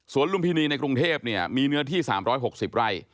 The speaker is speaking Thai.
สวนลุ้มพินีในกรุงเทพเนี่ยมีเนื้อที่๓๖๐ไร่